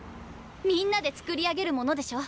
みんなでつくり上げるものでしょ